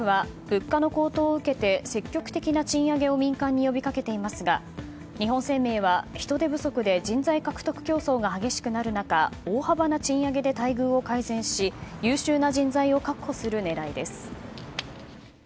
政府は物価の高騰を受けて積極的な賃上げを民間に呼びかけていますが日本生命は人手不足で人材獲得競争が激しくなる中大幅な賃上げで待遇を改善し優秀な人材を確保する狙いです。